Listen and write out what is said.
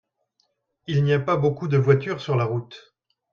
Il n'y a pas beaucoup de voitures sur la route.